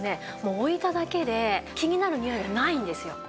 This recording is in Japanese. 置いただけで気になるニオイがないんですよ。